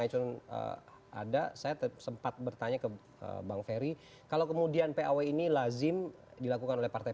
acuan ada saya sempat bertanya ke bang ferry kalau kemudian paw ini lazim dilakukan oleh partai